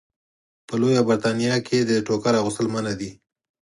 په لویه برېتانیا کې د ټوکر اغوستل منع دي.